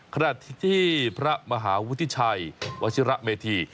ขณะที่ที่พระมหาวุฒิชัยวชิระเมธี